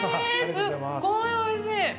すっごいおいしい。